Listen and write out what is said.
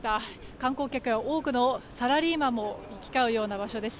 観光客や多くのサラリーマンも行き交うような場所です。